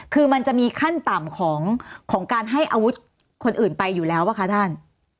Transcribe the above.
คือมันจะมีขั้นต่ำของการให้อาวุธคนอื่นไปอยู่แล้วป่ะคะท่าน